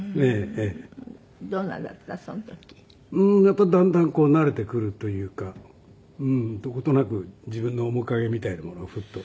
やっぱりだんだん慣れてくるというかどことなく自分の面影みたいなものをフッと。